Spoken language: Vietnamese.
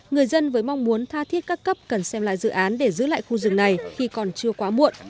người dân với mong muốn tha thiết các cấp cần xem lại dự án để giữ lại khu rừng này khi còn chưa quá muộn